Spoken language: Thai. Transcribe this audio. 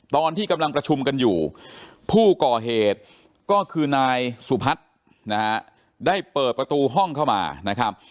ตอนที่กำลังประชุมกันอยู่ผู้ก่อเหตุก็คือนายสุพัฒน์นะฮะได้เปิดประตูห้องเข้ามานะครับ